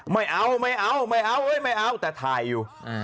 ไม่เอาไม่เอาไม่เอาไม่เอาแต่ถ่ายอยู่